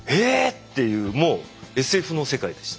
っていうもうＳＦの世界でした。